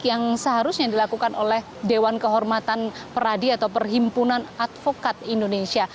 yang seharusnya dilakukan oleh dewan kehormatan peradi atau perhimpunan advokat indonesia